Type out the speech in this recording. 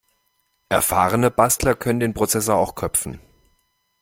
Erfahrene Bastler können den Prozessor auch köpfen.